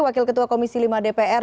wakil ketua komisi lima dpr